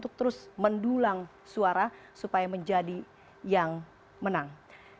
untuk terus mendulang suara supaya menjadi yang menang